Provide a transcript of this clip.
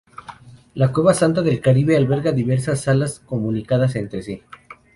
La Cueva Santa del Cabriel alberga diversas salas comunicadas entre sí.